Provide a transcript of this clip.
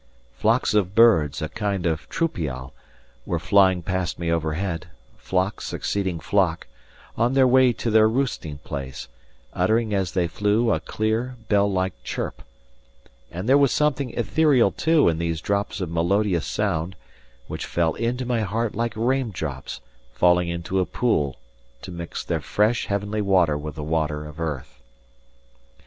Flocks of birds, a kind of troupial, were flying past me overhead, flock succeeding flock, on their way to their roosting place, uttering as they flew a clear, bell like chirp; and there was something ethereal too in those drops of melodious sound, which fell into my heart like raindrops falling into a pool to mix their fresh heavenly water with the water of earth.